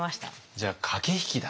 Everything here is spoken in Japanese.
じゃあ駆け引きだった？